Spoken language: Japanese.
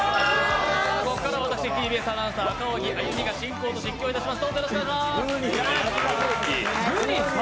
ここからは私ＴＢＳアナウンサー・赤荻歩が進行と実況いたします。